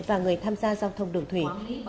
và người tham gia giao thông đường thủy